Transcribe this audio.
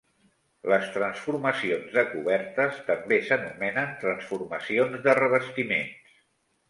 Les transformacions de cobertes també s'anomenen transformacions de revestiments.